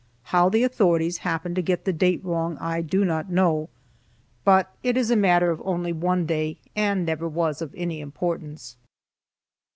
How the authorities happened to get the date wrong I do not know, but it is a matter of only one day, and never was of any importance.